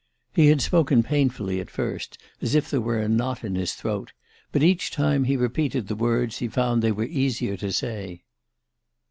He had spoken painfully at first, as if there were a knot in his throat; but each time he repeated the words he found they were easier to say.